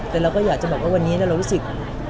แต่เราก็อยากจะบอกว่าวันนี้เรารู้สึก